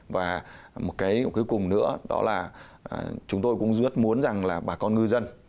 và một cái cùng nữa đó là chúng tôi cũng rất muốn rằng là bà con ngư dân